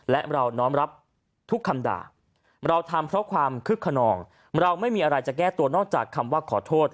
และเราน้อมรับทุกคำด่าเราทำเพราะความคึกขนองเราไม่มีอะไรจะแก้ตัวนอกจากคำว่าขอโทษ